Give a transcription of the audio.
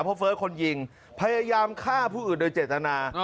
เพราะเฟิร์สคนยิงพยายามฆ่าผู้อื่นโดยเจตนา